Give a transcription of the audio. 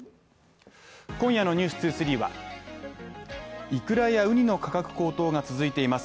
今夜の「ｎｅｗｓ２３」はイクラやウニの価格高騰が続いています。